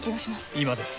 今です。